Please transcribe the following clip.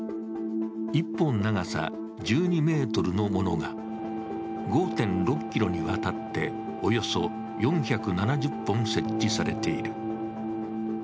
１本、長さ１２ｍのものが５．６ｋｍにわたっておよそ４７０本設置されている。